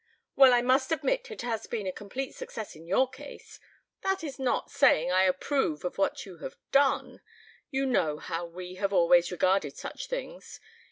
"Well, I must admit it has been a complete success in your case. That is not saying I approve of what you have done. You know how we have always regarded such things.